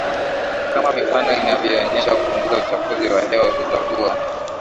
kama mifano inavyoonyesha kupunguza uchafuzi wa hewa kutakuwa